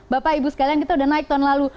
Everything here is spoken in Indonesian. bapak ibu sekalian kita sudah naik tahun lalu